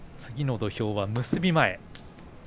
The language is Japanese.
次の土俵は結び前。